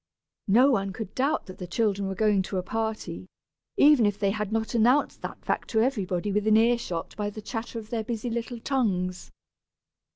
No one could doubt that the children were going to a party, even if they had not announced that fact to everybody within ear shot by the chatter of their busy little tongues!